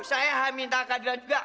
saya minta keadilan juga